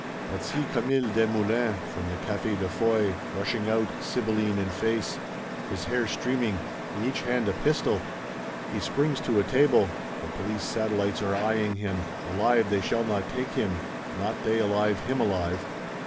But see Camille Desmoulins, from the Café de Foy, rushing out, sibylline in face; his hair streaming, in each hand a pistol! He springs to a table: the Police satellites are eyeing him; alive they shall not take him, not they alive him alive.